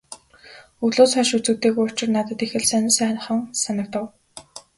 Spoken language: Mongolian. Өвлөөс хойш үзэгдээгүй учир надад их л сонин сайхан санагдав.